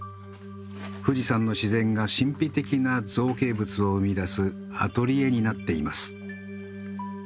富士山の自然が神秘的な造形物を生み出すアトリエになっています。